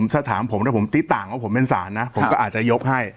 ถ้าถามผมถ้าผมตีต่างว่าผมเป็นศาลนะผมก็อาจจะยกให้